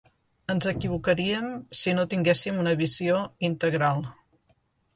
Ens equivocaríem si no tinguéssim una visió integral.